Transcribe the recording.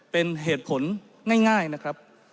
เป็นเหตุผลง่ายนะครับ